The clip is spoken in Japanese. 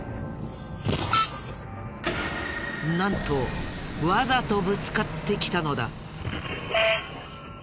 なんとわざとぶつかってきたのだ。